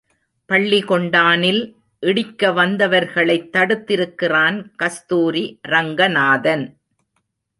பள்ளி கொண்டானில் இடிக்க வந்தவர்களைத் தடுத்திருக்கிறான் கஸ்தூரி ரங்கநாதன்.